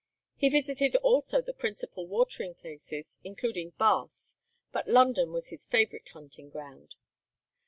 He visited also the principal watering places, including Bath, but London was his favourite hunting ground.